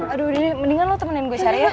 aduh udah deh mendingan lo temenin gue cari ya